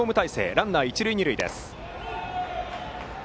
ランナー、一塁二塁です。